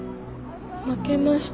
負けました。